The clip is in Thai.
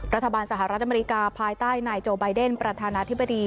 สหรัฐอเมริกาภายใต้นายโจไบเดนประธานาธิบดี